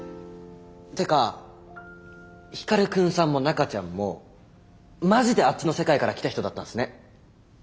てか光くんさんも中ちゃんもマジであっちの世界から来た人だったんすね。